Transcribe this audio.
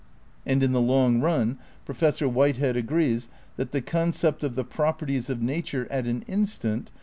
And in the long run Professor Whitehead agrees that "the concept of the properties of nature at an instant